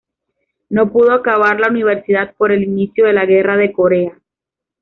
No pudo acabar la universidad por el inicio de la Guerra de Corea.